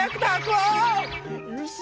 よし！